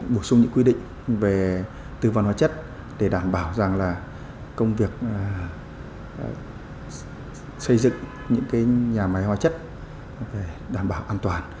bổ sung những quy định về tư vấn hóa chất để đảm bảo rằng là công việc xây dựng những nhà máy hóa chất đảm bảo an toàn